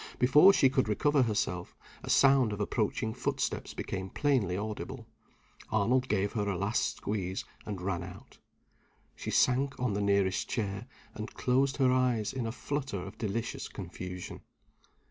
Before she could recover herself a sound of approaching footsteps became plainly audible. Arnold gave her a last squeeze, and ran out. She sank on the nearest chair, and closed her eyes in a flutter of delicious confusion.